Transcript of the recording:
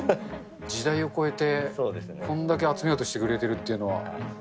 時代を超えてこんだけ集めようとしてくれてるっていうのは。